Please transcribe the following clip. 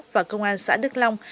và công an xã đức long